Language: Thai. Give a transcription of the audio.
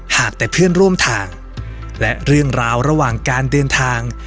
หากแต่เพื่อนร่วมทางและเรื่องราวระหว่างการเดินทาง